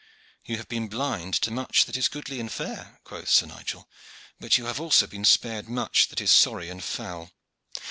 "You have been blind to much that is goodly and fair," quoth Sir Nigel, "but you have also been spared much that is sorry and foul.